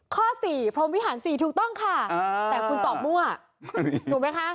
ข้อสี่พรมวิหาร๔ถูกต้องค่ะแต่คุณตอบมั่วถูกไหมคะ